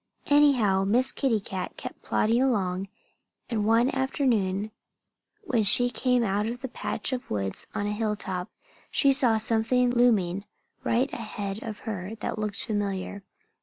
Anyhow, Miss Kitty Cat kept plodding along. And one afternoon when she came out of a patch of woods on a hill top, she saw something looming right ahead of her that looked familiar.